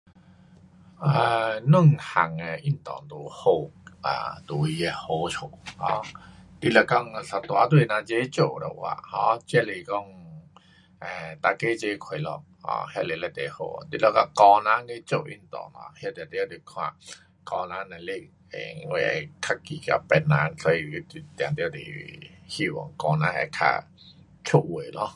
um 两样的运动都有好，都有它的好处 um 你若讲一大堆人齐做的话 um，这是讲 um 大家齐快乐 um 那是非常好 um 你若讲个人去做运动啊，那就得去看个人能力，因为较比较别人，所以当然是希望讲啦会较出位咯。